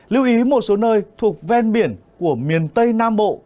lưu ý một số nơi thuộc ven biển của miền tây nam bộ